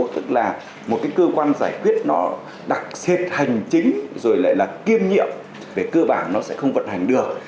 tức là một cái cơ quan giải quyết nó đặc xếp hành chính rồi lại là kiêm nhiệm về cơ bản nó sẽ không vận hành được